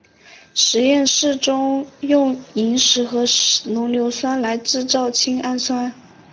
实验室中用萤石和浓硫酸来制造氢氟酸。